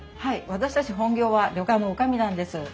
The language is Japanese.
私たち本業は旅館の女将なんです。